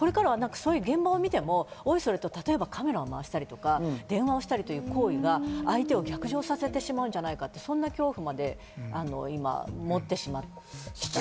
現場を見ても、おいそれとカメラをまわしたりとか電話をしたりっていう行為は相手を逆上させてしまうんじゃないかという恐怖まで持ってしまう。